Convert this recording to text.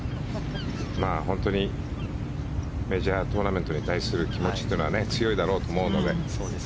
本当にメジャートーナメントに対する気持ちというのは強いだろうと思うので。